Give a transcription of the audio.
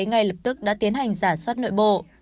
ngay lập tức đã tiến hành giả soát nội bộ